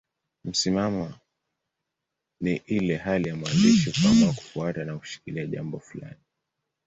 Msimamo ni ile hali ya mwandishi kuamua kufuata na kushikilia jambo fulani.